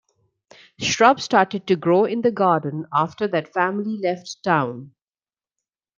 Shrubs started to grow in the garden after that family left town.